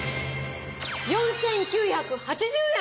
４９８０円！